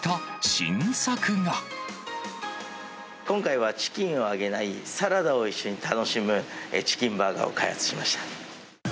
今回はチキンを揚げない、サラダを一緒に楽しむチキンバーガーを開発しました。